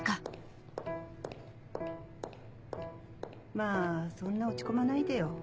まぁそんな落ち込まないでよ。